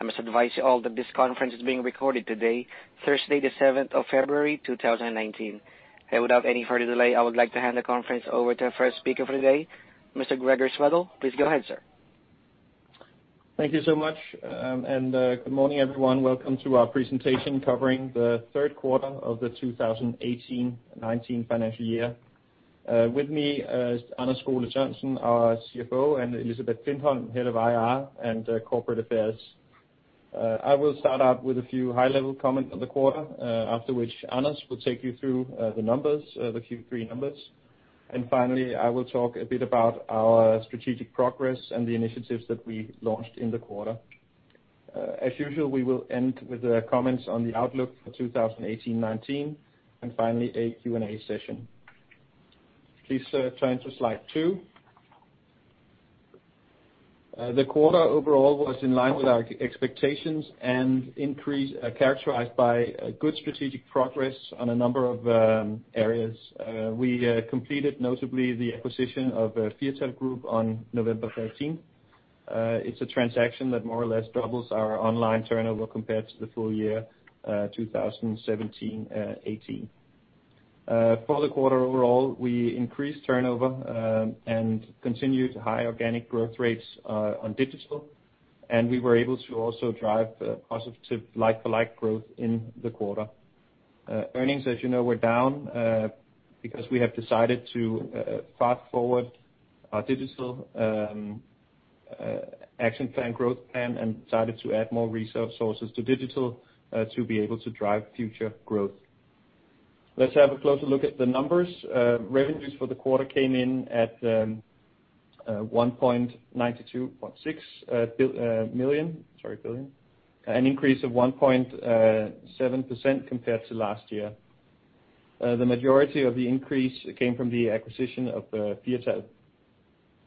I must advise you all that this conference is being recorded today, Thursday the seventh of February, two thousand and nineteen. Without any further delay, I would like to hand the conference over to our first speaker for today, Mr. Gregers Wedell. Please go ahead, sir. Thank you so much. Good morning, everyone. Welcome to our presentation covering the third quarter of the 2018-2019 financial year. With me is Anders Skole-Sørensen, our CFO, Elisabeth Klintholm, head of IR and Corporate Affairs. I will start out with a few high-level comments on the quarter, after which Anders will take you through the Q3 numbers. Finally, I will talk a bit about our strategic progress and the initiatives that we launched in the quarter. As usual, we will end with comments on the outlook for 2018-2019, finally a Q&A session. Please turn to slide two. The quarter overall was in line with our expectations and characterized by good strategic progress on a number of areas. We completed notably the acquisition of Firtal Group on November 13th. It's a transaction that more or less doubles our online turnover compared to the full year 2017-2018. For the quarter overall, we increased turnover and continued high organic growth rates on digital. We were able to also drive positive like-for-like growth in the quarter. Earnings, as you know, were down because we have decided to fast-forward our digital action plan growth plan and decided to add more resources to digital to be able to drive future growth. Let's have a closer look at the numbers. Revenues for the quarter came in at 1.926 billion, an increase of 1.7% compared to last year. The majority of the increase came from the acquisition of Firtal.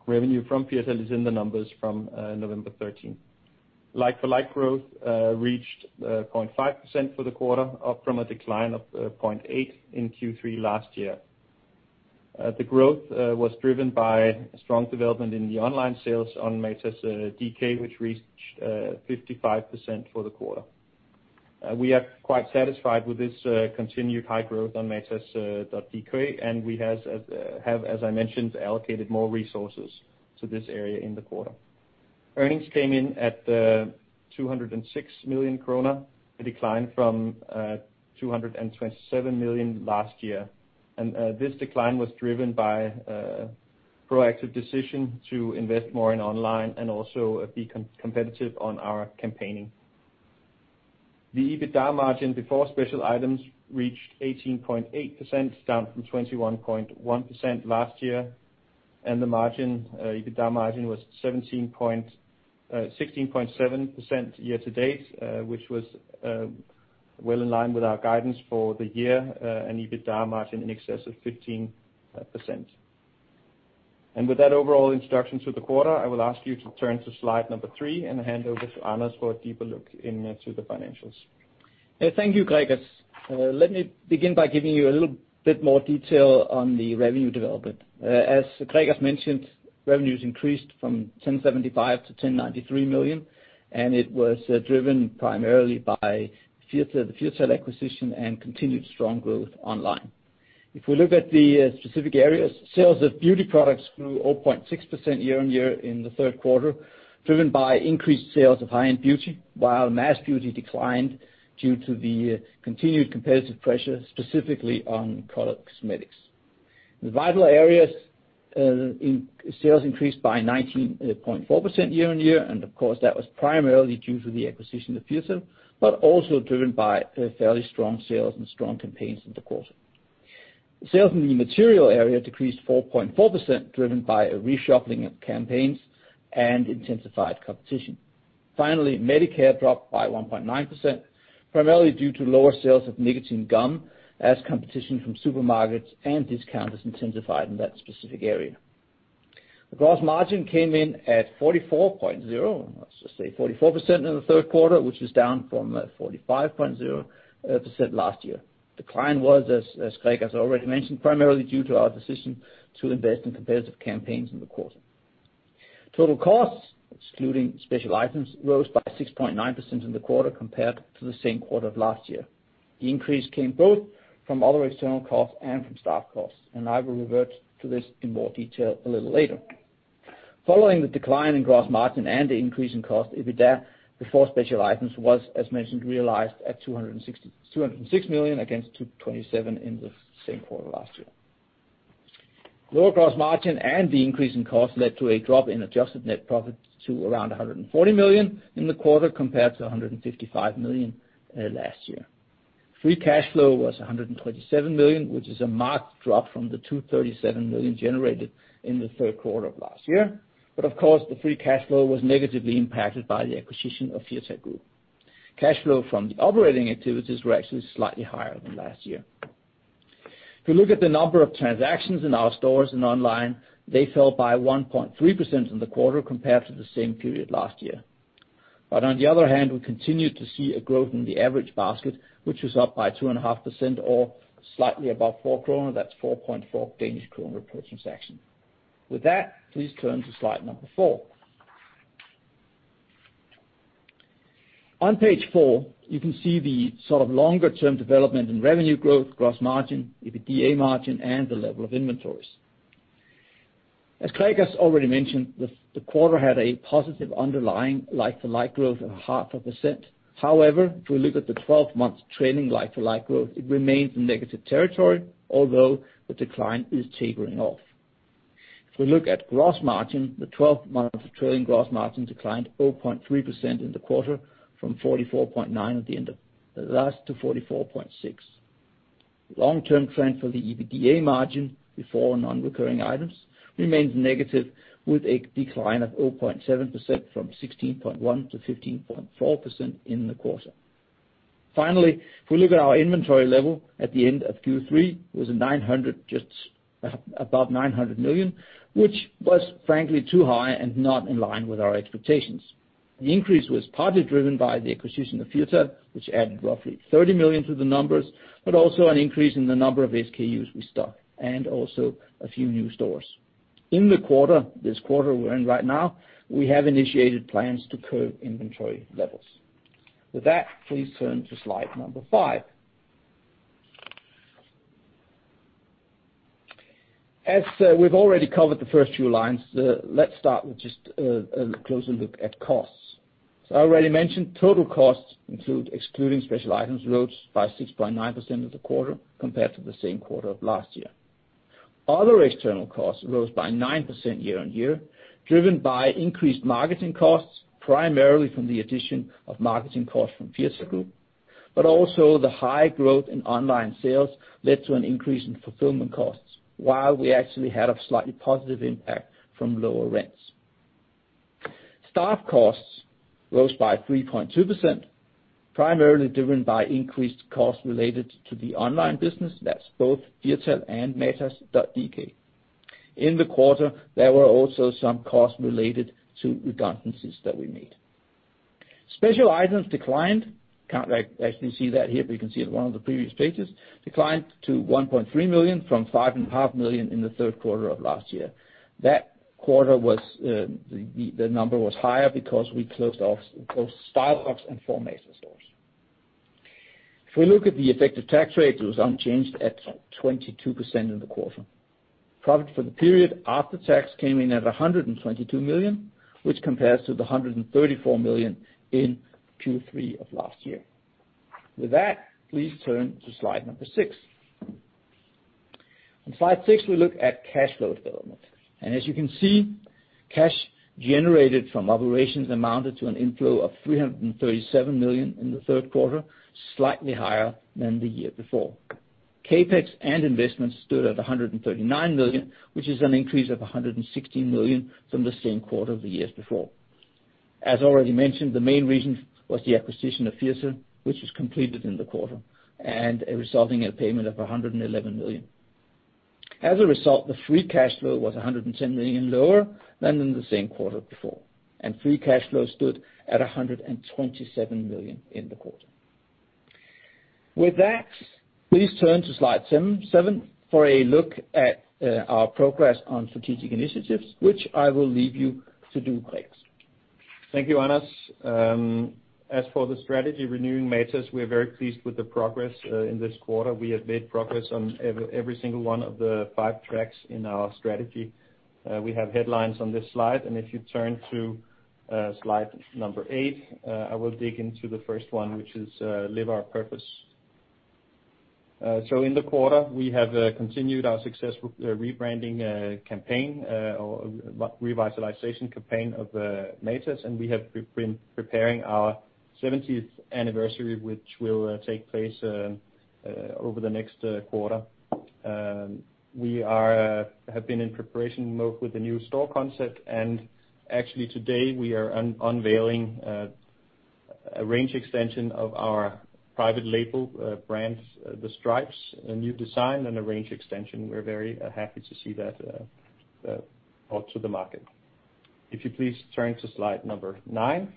Revenue from Firtal is in the numbers from November 13th. Like-for-like growth reached 0.5% for the quarter up from a decline of 0.8% in Q3 last year. The growth was driven by strong development in the online sales on matas.dk, which reached 55% for the quarter. We are quite satisfied with this continued high growth on matas.dk. We have, as I mentioned, allocated more resources to this area in the quarter. Earnings came in at 206 million krone, a decline from 227 million last year. This decline was driven by a proactive decision to invest more in online and also be competitive on our campaigning. The EBITDA margin before special items reached 18.8%, down from 21.1% last year. The EBITDA margin was 16.7% year-to-date, which was well in line with our guidance for the year, an EBITDA margin in excess of 15%. With that overall introduction to the quarter, I will ask you to turn to slide number three and hand over to Anders for a deeper look into the financials. Thank you, Gregers. Let me begin by giving you a little bit more detail on the revenue development. As Gregers mentioned, revenues increased from 1,075 million to 1,093 million. It was driven primarily by the Firtal acquisition and continued strong growth online. If we look at the specific areas, sales of beauty products grew 0.6% year-over-year in the third quarter, driven by increased sales of high-end beauty, while mass beauty declined due to the continued competitive pressure, specifically on color cosmetics. In the Firtal areas, sales increased by 19.4% year-over-year. That was primarily due to the acquisition of Firtal, but also driven by fairly strong sales and strong campaigns in the quarter. Sales in the Matas area decreased 4.4%, driven by a reshuffling of campaigns and intensified competition. Finally, MediCare dropped by 1.9%, primarily due to lower sales of nicotine gum as competition from supermarkets and discounters intensified in that specific area. The gross margin came in at 44.0%, let's just say 44% in the third quarter, which is down from 45.0% last year. Decline was, as Gregers already mentioned, primarily due to our decision to invest in competitive campaigns in the quarter. Total costs, excluding special items, rose by 6.9% in the quarter compared to the same quarter of last year. The increase came both from other external costs and from staff costs. I will revert to this in more detail a little later. Following the decline in gross margin and the increase in cost, EBITDA before special items was, as mentioned, realized at 206 million against 227 million in the same quarter last year. Lower gross margin and the increase in cost led to a drop in adjusted net profit to around 140 million in the quarter compared to 155 million last year. Free cash flow was 127 million, which is a marked drop from the 237 million generated in the third quarter of last year. Of course, the free cash flow was negatively impacted by the acquisition of Firtal Group. Cash flow from the operating activities were actually slightly higher than last year. If you look at the number of transactions in our stores and online, they fell by 1.3% in the quarter compared to the same period last year. On the other hand, we continued to see a growth in the average basket, which was up by 2.5% or slightly above 4 kroner. That's 4.4 Danish kroner per transaction. With that, please turn to slide number four. On page four, you can see the longer-term development in revenue growth, gross margin, EBITDA margin, and the level of inventories. As Gregers has already mentioned, the quarter had a positive underlying like-for-like growth of half a percent. However, if we look at the 12-month trailing like-for-like growth, it remains in negative territory, although the decline is tapering off. If we look at gross margin, the 12-month trailing gross margin declined 0.3% in the quarter from 44.9% at the end of last to 44.6%. Long-term trend for the EBITDA margin before non-recurring items remains negative, with a decline of 0.7% from 16.1% to 15.4% in the quarter. Finally, if we look at our inventory level at the end of Q3 was above 900 million, which was frankly too high and not in line with our expectations. The increase was partly driven by the acquisition of Firtal, which added roughly 30 million to the numbers, but also an increase in the number of SKUs we stock, and also a few new stores. In the quarter, this quarter we are in right now, we have initiated plans to curb inventory levels. With that, please turn to slide number five. As we have already covered the first few lines, let's start with just a closer look at costs. I already mentioned total costs, excluding special items, rose by 6.9% of the quarter compared to the same quarter of last year. Other external costs rose by 9% year-on-year, driven by increased marketing costs, primarily from the addition of marketing costs from Firtal Group, but also the high growth in online sales led to an increase in fulfillment costs, while we actually had a slightly positive impact from lower rents. Staff costs rose by 3.2%, primarily driven by increased costs related to the online business, that is both Firtal and Matas.dk. In the quarter, there were also some costs related to redundancies that we made. Special items declined. Can't actually see that here, but you can see it in one of the previous pages. Declined to 1.3 million from 5.5 million in the third quarter of last year. That quarter, the number was higher because we closed off both StyleBox and four Matas stores. If we look at the effective tax rate, it was unchanged at 22% in the quarter. Profit for the period after tax came in at 122 million, which compares to the 134 million in Q3 of last year. With that, please turn to slide number six. On slide six, we look at cash flow development. As you can see, cash generated from operations amounted to an inflow of 337 million in the third quarter, slightly higher than the year before. CapEx and investments stood at 139 million, which is an increase of 116 million from the same quarter the years before. As already mentioned, the main reason was the acquisition of Firtal, which was completed in the quarter, and resulting in a payment of 111 million. As a result, the free cash flow was 110 million lower than in the same quarter before, and free cash flow stood at 127 million in the quarter. With that, please turn to slide number seven for a look at our progress on strategic initiatives, which I will leave you to do, Gregers. Thank you, Anders. As for the strategy renewing Matas, we are very pleased with the progress in this quarter. We have made progress on every single one of the five tracks in our strategy. We have headlines on this slide, and if you turn to slide number eight, I will dig into the first one, which is live our purpose. In the quarter, we have continued our successful rebranding campaign or revitalization campaign of Matas, and we have been preparing our 70th anniversary, which will take place over the next quarter. We have been in preparation mode with the new store concept, and actually today we are unveiling a range extension of our private label brand, the Stripes, a new design and a range extension. We are very happy to see that out to the market. If you please turn to slide number nine.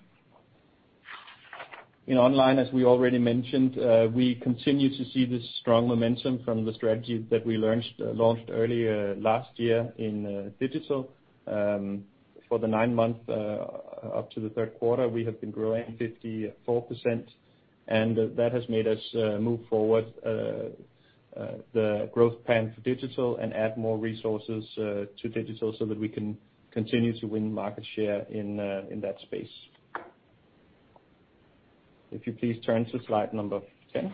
In online, as we already mentioned, we continue to see this strong momentum from the strategy that we launched earlier last year in digital. For the nine months up to the third quarter, we have been growing 54%, and that has made us move forward the growth plan for digital and add more resources to digital so that we can continue to win market share in that space. If you please turn to slide number 10.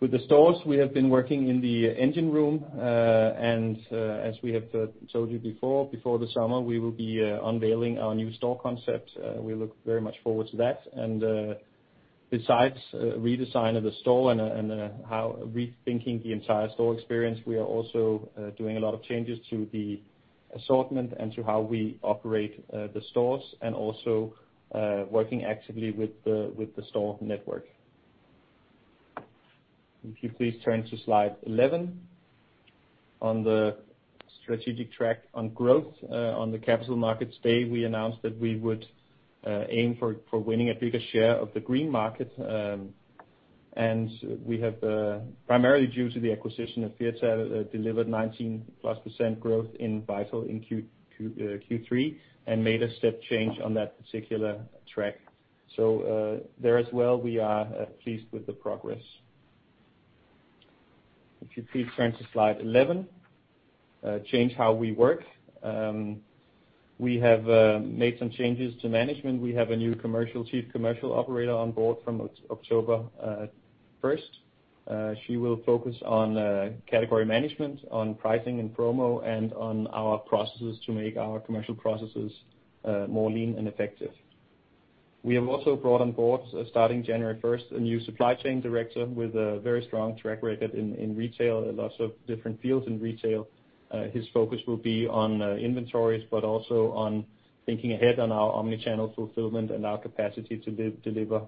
With the stores, we have been working in the engine room. As we have told you before the summer, we will be unveiling our new store concept. We look very much forward to that. Besides redesign of the store and rethinking the entire store experience, we are also doing a lot of changes to the assortment and to how we operate the stores and also working actively with the store network. If you please turn to slide 11. On the strategic track on growth on the Capital Markets Day, we announced that we would aim for winning a bigger share of the green market. We have, primarily due to the acquisition of Firtal, delivered 19%+ growth in Firtal in Q3, and made a step change on that particular track. There as well, we are pleased with the progress. If you please turn to slide 11, Change How We Work. We have made some changes to management. We have a new chief commercial operator on board from October 1st. She will focus on category management, on pricing and promo, and on our processes to make our commercial processes more lean and effective. We have also brought on board, starting January 1st, a new supply chain director with a very strong track record in retail, in lots of different fields in retail. His focus will be on inventories, but also on thinking ahead on our omni-channel fulfillment and our capacity to deliver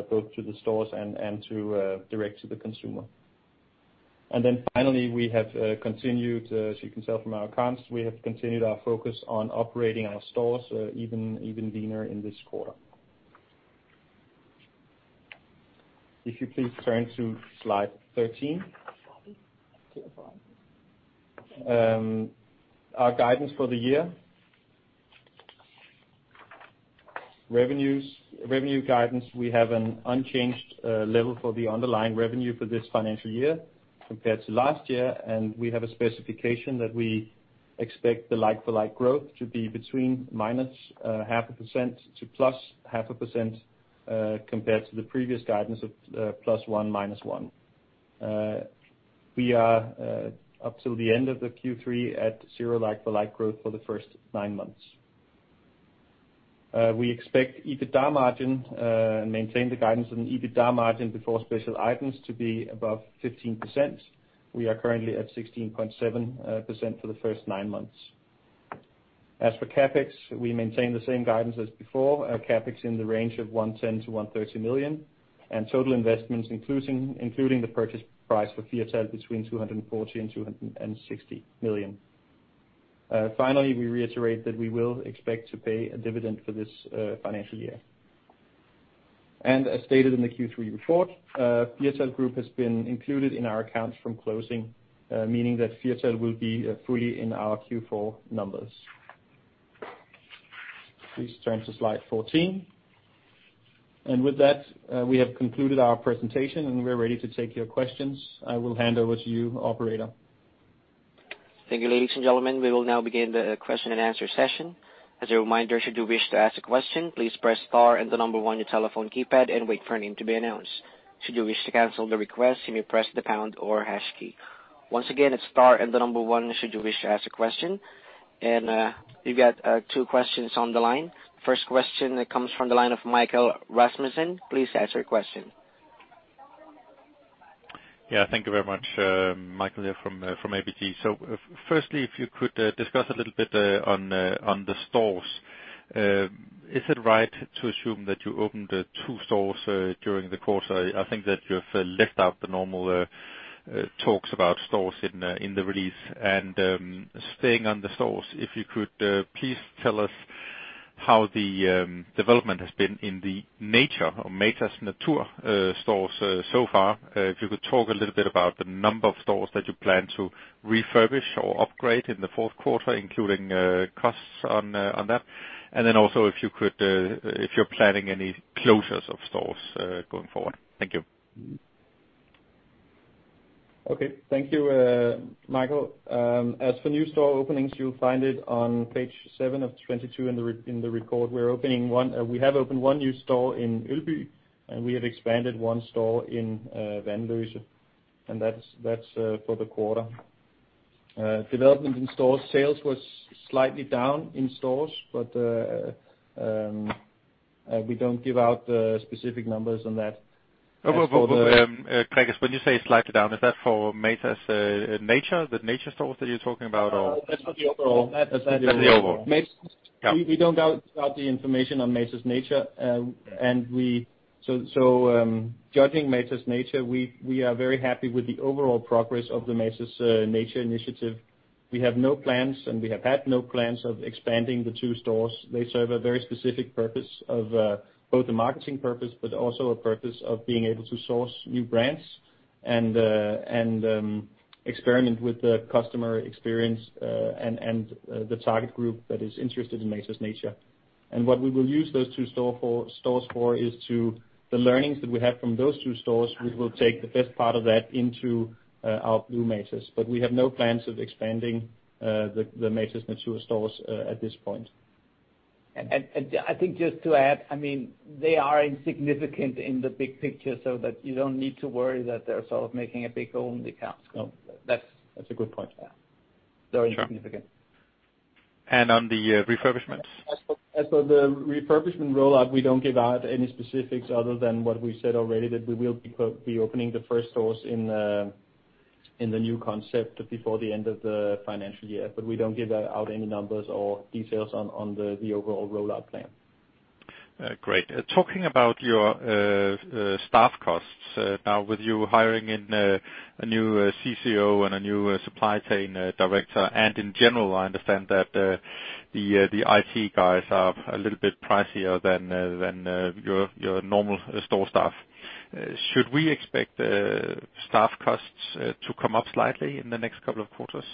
both to the stores and direct to the consumer. Finally, we have continued, as you can tell from our accounts, our focus on operating our stores even leaner in this quarter. If you please turn to slide 13. Our guidance for the year. Revenue guidance, we have an unchanged level for the underlying revenue for this financial year compared to last year. We have a specification that we expect the like-for-like growth to be between -0.5% to +0.5% compared to the previous guidance of +1%, -1%. We are up till the end of the Q3 at zero like-for-like growth for the first nine months. We expect EBITDA margin, maintain the guidance on EBITDA margin before special items to be above 15%. We are currently at 16.7% for the first nine months. As for CapEx, we maintain the same guidance as before. Our CapEx in the range of 110 million-130 million, and total investments, including the purchase price for Firtal between 240 million and 260 million. Finally, we reiterate that we will expect to pay a dividend for this financial year. As stated in the Q3 report, Firtal Group has been included in our accounts from closing, meaning that Firtal will be fully in our Q4 numbers. Please turn to slide 14. With that, we have concluded our presentation. We are ready to take your questions. I will hand over to you, operator. Thank you, ladies and gentlemen. We will now begin the question and answer session. As a reminder, should you wish to ask a question, please press star and the number one on your telephone keypad and wait for a name to be announced. Should you wish to cancel the request, you may press the pound or hash key. Once again, it's star and the number one should you wish to ask a question. You've got two questions on the line. First question comes from the line of Michael Rasmussen. Please ask your question. Yeah, thank you very much. Michael here from ABG. Firstly, if you could discuss a little bit on the stores. Is it right to assume that you opened two stores during the quarter? I think that you have left out the normal talks about stores in the release. Staying on the stores, if you could please tell us how the development has been in the Matas Natur stores so far. If you could talk a little bit about the number of stores that you plan to refurbish or upgrade in the fourth quarter, including costs on that. Then also if you're planning any closures of stores going forward. Thank you. Okay. Thank you, Michael. As for new store openings, you'll find it on page seven of 22 in the report. We have opened one new store in Ølby, we have expanded one store in Vanløse. That's for the quarter. Development in store sales was slightly down in stores, we don't give out specific numbers on that. Gregers, when you say slightly down, is that for Matas Natur, the Natur stores that you're talking about, or? That's for the overall. That's the overall. Yeah. We don't doubt the information on Matas Natur. Judging Matas Natur, we are very happy with the overall progress of the Matas Natur initiative. We have no plans, and we have had no plans of expanding the two stores. They serve a very specific purpose of both the marketing purpose, but also a purpose of being able to source new brands and experiment with the customer experience and the target group that is interested in Matas Natur. What we will use those two stores for is to the learnings that we have from those two stores, we will take the best part of that into our blue Matas. We have no plans of expanding the Matas Natur stores at this point. I think just to add, they are insignificant in the big picture, so that you don't need to worry that they're sort of making a big hole in the accounts. No. That's a good point. Yeah. Very insignificant. Sure. On the refurbishments? As for the refurbishment rollout, we don't give out any specifics other than what we said already, that we will be opening the first stores in the new concept before the end of the financial year. We don't give out any numbers or details on the overall rollout plan. Great. Talking about your staff costs now with you hiring in a new CCO and a new supply chain director, in general, I understand that the IT guys are a little bit pricier than your normal store staff. Should we expect staff costs to come up slightly in the next couple of quarters?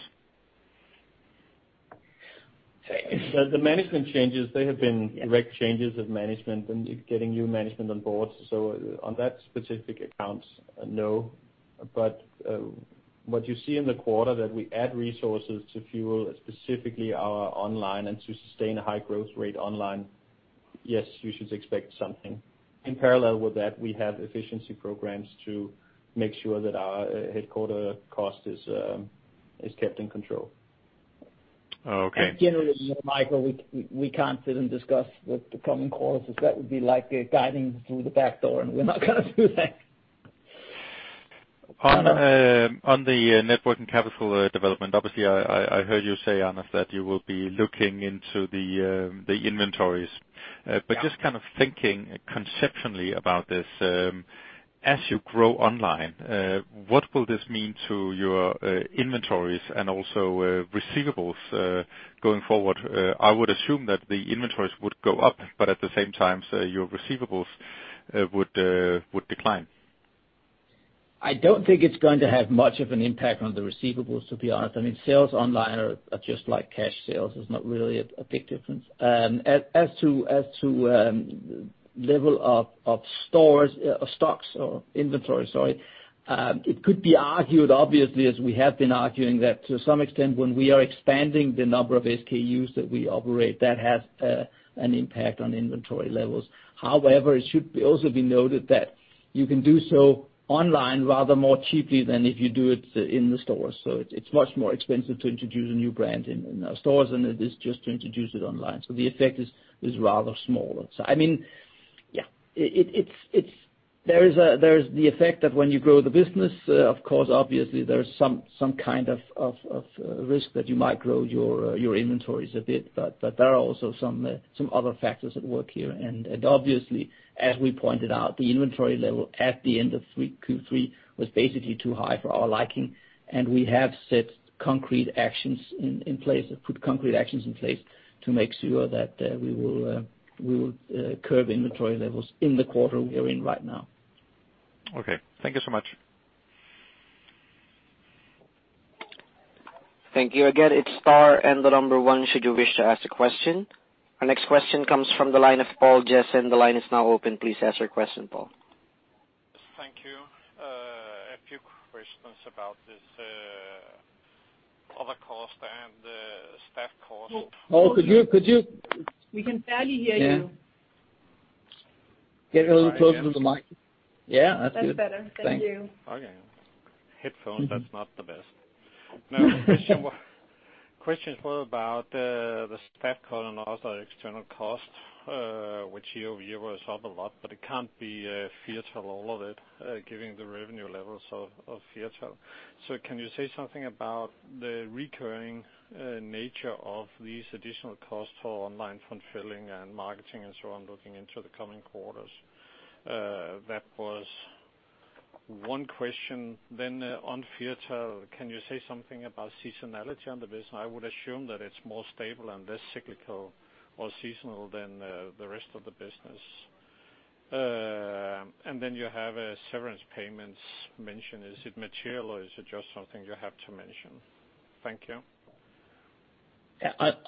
The management changes, they have been direct changes of management and getting new management on board. On that specific account, no. What you see in the quarter that we add resources to fuel specifically our online and to sustain a high growth rate online. Yes, you should expect something. In parallel with that, we have efficiency programs to make sure that our headquarter cost is kept in control. Oh, okay. Again, Michael, we can't sit and discuss what the common cause is. That would be like guiding through the back door, we're not going to do that. On the net working capital development, obviously, I heard you say, Anders, that you will be looking into the inventories. Yeah. Just kind of thinking conceptually about this, as you grow online, what will this mean to your inventories and also receivables going forward? I would assume that the inventories would go up, but at the same time, your receivables would decline. I don't think it's going to have much of an impact on the receivables, to be honest. Sales online are just like cash sales. There's not really a big difference. As to level of stocks or inventory, sorry, it could be argued obviously, as we have been arguing that to some extent when we are expanding the number of SKUs that we operate, that has an impact on inventory levels. It should also be noted that you can do so online rather more cheaply than if you do it in the stores. It's much more expensive to introduce a new brand in our stores than it is just to introduce it online. The effect is rather small. There is the effect that when you grow the business, of course, obviously, there is some kind of risk that you might grow your inventories a bit, but there are also some other factors at work here. Obviously, as we pointed out, the inventory level at the end of Q3 was basically too high for our liking, and we have put concrete actions in place to make sure that we will curb inventory levels in the quarter we are in right now. Okay. Thank you so much. Thank you. Again, it's star and the number one should you wish to ask a question. Our next question comes from the line of Poul Jessen. The line is now open. Please ask your question, Poul. Thank you. A few questions about this other cost and the staff cost. Poul, could you- We can barely hear you. Get a little closer to the mic. Yeah, that's it. That's better. Thank you. Okay. Headphones, that's not the best. No, the questions were about the staff cost and also external cost, which year-over-year was up a lot, but it can't be Firtal all of it, given the revenue levels of Firtal. Can you say something about the recurring nature of these additional costs for online fulfilling and marketing and so on, looking into the coming quarters? That was one question. On Firtal, can you say something about seasonality on the business? I would assume that it's more stable and less cyclical or seasonal than the rest of the business. You have severance payments mentioned. Is it material or is it just something you have to mention? Thank you.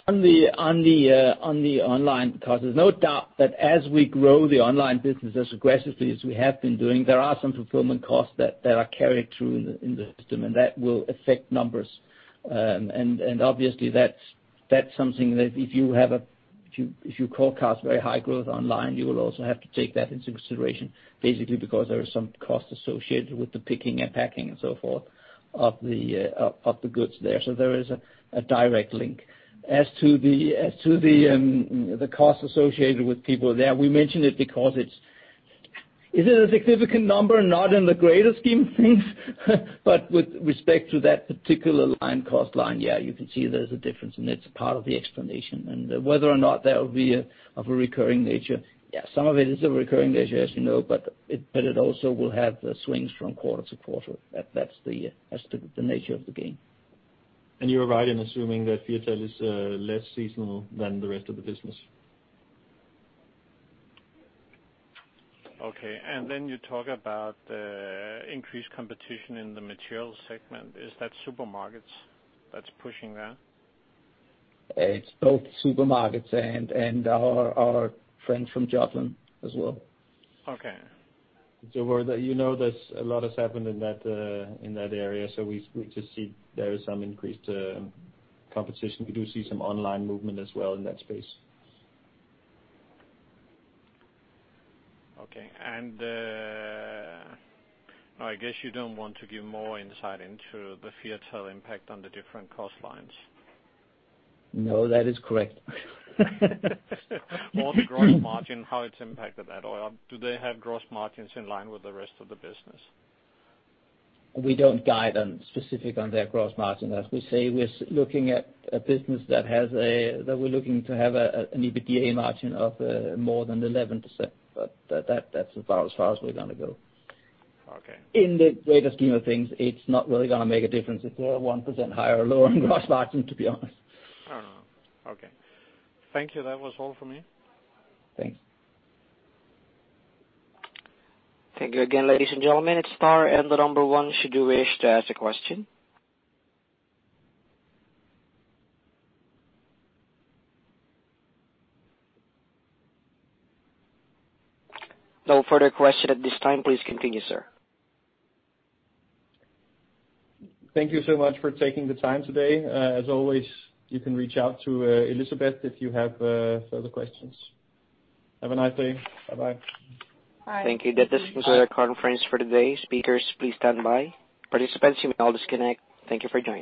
On the online cost, there's no doubt that as we grow the online business as aggressively as we have been doing, there are some fulfillment costs that are carried through in the system, and that will affect numbers. Obviously, that's something that if you forecast very high growth online, you will also have to take that into consideration, basically because there are some costs associated with the picking and packing and so forth of the goods there. There is a direct link. As to the cost associated with people there, we mentioned it because Is it a significant number? Not in the greater scheme of things, but with respect to that particular line cost line, yeah, you can see there's a difference, and it's part of the explanation. Whether or not that will be of a recurring nature. Yeah, some of it is a recurring nature, as you know, it also will have swings from quarter to quarter. That's the nature of the game. You are right in assuming that Firtal is less seasonal than the rest of the business. Okay. You talk about increased competition in the material segment. Is that supermarkets that's pushing that? It's both supermarkets and our friends from Jutland as well. Okay. You know that a lot has happened in that area. We just see there is some increased competition. We do see some online movement as well in that space. Okay. I guess you don't want to give more insight into the Firtal impact on the different cost lines. No, that is correct. The gross margin, how it's impacted that. Do they have gross margins in line with the rest of the business? We don't guide specific on their gross margin. As we say, we're looking at a business that we're looking to have an EBITDA margin of more than 11%, but that's about as far as we're going to go. Okay. In the greater scheme of things, it's not really going to make a difference if they're 1% higher or lower in gross margin, to be honest. No. Okay. Thank you. That was all for me. Thanks. Thank you again, ladies and gentlemen. It's star and the number one should you wish to ask a question. No further questions at this time. Please continue, sir. Thank you so much for taking the time today. As always, you can reach out to Elisabeth if you have further questions. Have a nice day. Bye. Bye. Thank you. That is the conference for today. Speakers, please stand by. Participants, you may all disconnect. Thank you for joining.